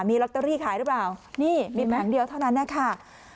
มีลอตเตอรี่ขายหรือเปล่านี่มีแผงเดียวเท่านั้นนะคะ